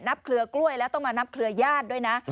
เครือกล้วยแล้วต้องมานับเครือญาติด้วยนะ